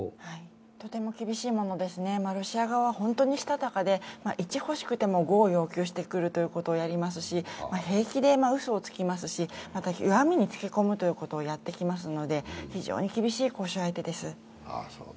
とても厳しいものですね、ロシア側は本当にしたたかで１欲しくても５を要求してくるということをやりますし、平気でうそをつきますし、また弱みにつけ込むということをやってきますので、非常に厳しい交渉相手です。